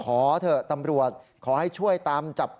เพราะถูกทำร้ายเหมือนการบาดเจ็บเนื้อตัวมีแผลถลอก